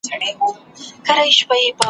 بېله پوښتني ځي جنت ته چي زکات ورکوي `